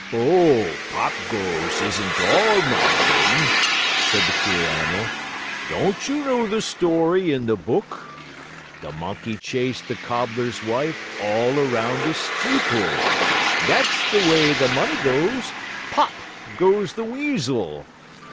"Oh, Pop Goes isn't all my name," said the queer animal. "Don't you know the story in the book? The monkey chased the cobbler's wife all around the steeple. That's the way the money goes, Pop! goes the weasel.